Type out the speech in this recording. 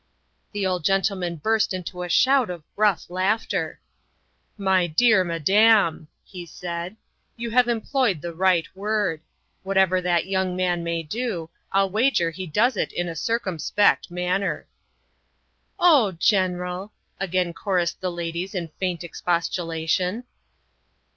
The old gentleman burst into a shout of gruff laughter. " My dear Madam," he said, " you have employed the right word. Whatever that young man may do, I'll wager he does it in a circumspect manner." " Oh General," again chorussed the ladies in faint expostulation.